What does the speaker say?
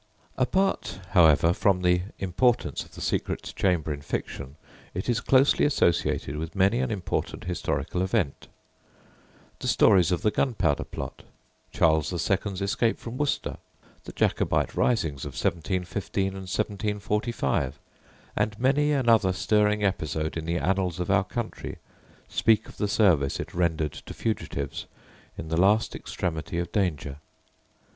Apart, however, from the importance of the secret chamber in fiction, it is closely associated with many an important historical event. The stories of the Gunpowder Plot, Charles II.'s escape from Worcester, the Jacobite risings of 1715 and 1745, and many another stirring episode in the annals of our country, speak of the service it rendered to fugitives in the last extremity of danger.